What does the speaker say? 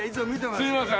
すいませんね。